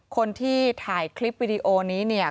คนที่ถ่ายคลิปวิดีโอนี้เนี่ย